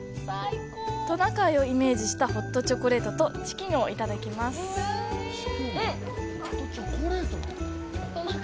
トナカイをイメージしたホットチョコレートとチキンをいただきました。